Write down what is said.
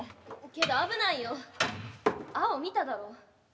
けど危ないよ？アオ見ただろ？